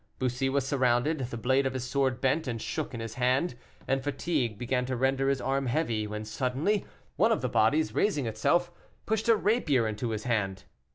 Bussy was surrounded; the blade of his sword bent and shook in his hand, and fatigue began to render his arm heavy, when suddenly, one of the bodies raising itself, pushed a rapier into his hand.